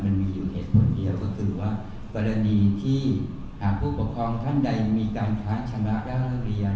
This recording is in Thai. มันมีอยู่เหตุผลเดียวก็คือว่ากรณีที่หากผู้ปกครองท่านใดมีการค้าชนะและเลิกเรียน